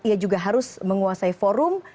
ia juga harus menguasai forum